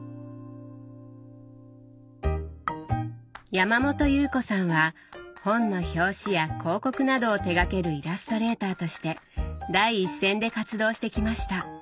山本祐布子さんは本の表紙や広告などを手がけるイラストレーターとして第一線で活動してきました。